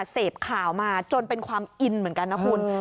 เสพข่าวมาจนเป็นความอินเหมือนกันนะคุณ